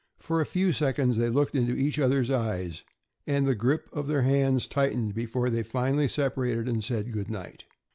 For a few seconds they looked into each other's eyes, and the grip of their hands tightened before they finally separated and said good night.